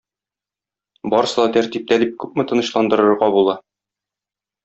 Барсы да тәртиптә дип күпме тынычландырырга була.